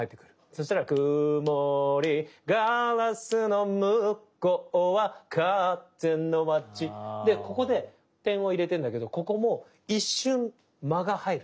そしたらくもりガラスのむこうはかぜのまちでここで点を入れてんだけどここも一瞬間が入る。